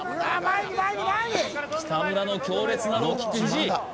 北村の強烈なローキックひじ！